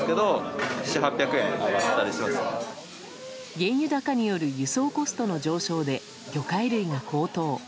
原油高による輸送コストの上昇で魚介類が高騰。